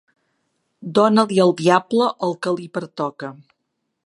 Dona-li al diable el que li pertoca.